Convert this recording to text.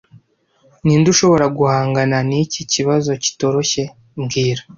Ninde ushobora guhangana niki kibazo kitoroshye mbwira